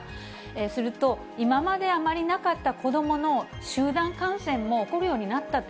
すると、今まであまりなかった子どもの集団感染も起こるようになったと。